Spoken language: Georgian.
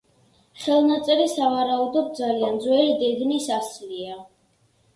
ხელნაწერი, სავარაუდოდ, ძალიან ძველი დედნის ასლია.